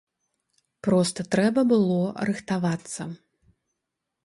Проста трэба было рыхтавацца.